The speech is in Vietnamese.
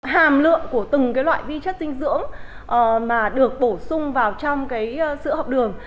hàm lượng của từng loại vi chất dinh dưỡng mà được bổ sung vào trong cái sữa học đường